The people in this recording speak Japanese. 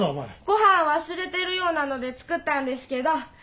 ご飯忘れてるようなので作ったんですけど。